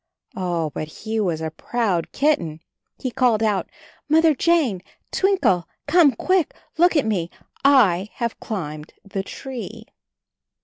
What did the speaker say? Oh, but he was a proud kitten. He called out, "Mother Jane, Twinkle, come quick! Look at me — I have climbed the tree."